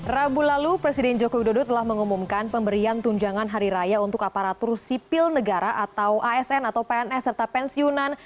rabu lalu presiden joko widodo telah mengumumkan pemberian tunjangan hari raya untuk aparatur sipil negara atau asn atau pns serta pensiunan